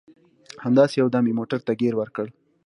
همداسې یو دم یې موټر ته ګیر ورکړ.